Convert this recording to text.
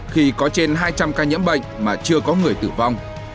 khi có trên hai trăm linh ca nhiễm bệnh mà chưa có người tử vong